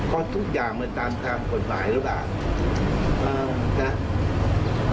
เพราะทุกอย่างมันตามกฎหมายแล้วบ้าง